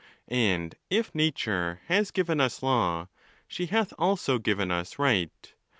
And if nature has given us law, she hath also given us right.